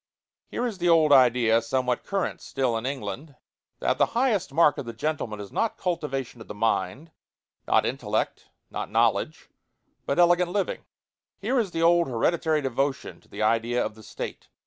Here is the old idea, somewhat current still in England, that the highest mark of the gentleman is not cultivation of the mind, not intellect, not knowledge, but elegant living. Here is the old hereditary devotion to the idea of the State.